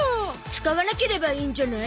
使わなければいいんじゃない？